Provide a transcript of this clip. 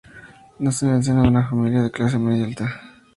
Nace en el seno de una familia de clase media-alta.